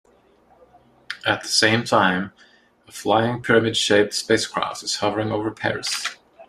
At the same time, a flying pyramid-shaped space craft is hovering over Paris.